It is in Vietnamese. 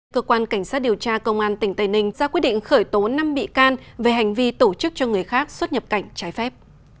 cơ quan cảnh sát điều tra công an tỉnh tây ninh ra quyết định khởi tố năm bị can về hành vi tổ chức cho người khác xuất nhập cảnh trái phép